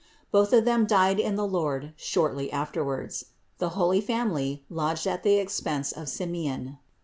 Both of them died in the Lord shortly afterwards. The holy Family lodged at the expense of Simeon.